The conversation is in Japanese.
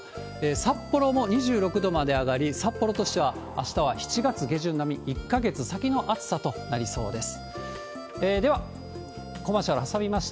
札幌も２６度まで上がり、札幌としてはあしたは７月下旬並み、１か月先の暑さとなりそうです。